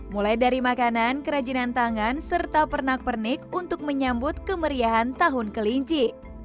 mulai dari makanan kerajinan tangan serta pernak pernik untuk menyambut kemeriahan tahun kelinci